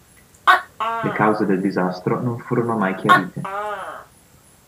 Le cause del disastro non furono mai chiarite.